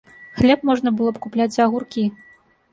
Хлеб можна было б купляць за агуркі.